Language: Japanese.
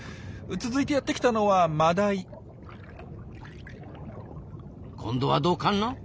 続いてやってきたのは今度はどうかな？